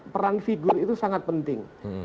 perang figur itu sangat penting